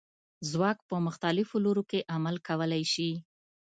ځواک په مختلفو لورو کې عمل کولی شي.